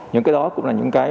những cái đó cũng là những cái